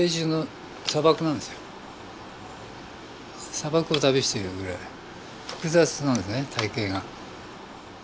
砂漠を旅してるぐらい複雑なんですね体形が。